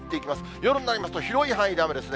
夜になりますと、広い範囲で雨ですね。